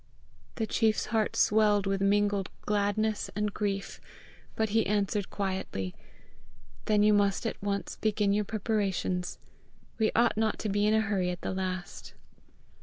The chief's heart swelled with mingled gladness and grief, but he answered quietly, "Then you must at once begin your preparations; we ought not to be in a hurry at the last."